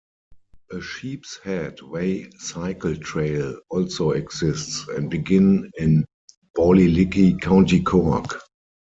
A Sheep's Head Way cycle trail also exists, and begins in Ballylickey, County Cork.